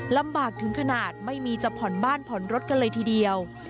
ลำบากถึงขนาดไม่มีจะผ่อนบ้านผ่อนรถกันเลยทีเดียว